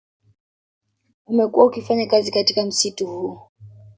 Umekuwa ukifanya kazi katika msitu huu